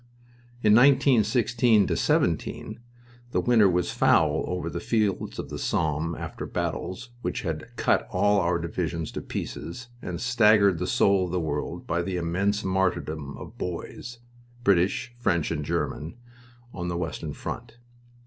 In 1916 17 the winter was foul over the fields of the Somme after battles which had cut all our divisions to pieces and staggered the soul of the world by the immense martyrdom of boys British, French, and German on the western front.